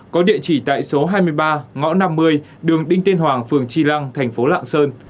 có địa chỉ tại số hai mươi ba ngõ năm mươi đường đinh tiên hoàng phường tri lăng thành phố lạng sơn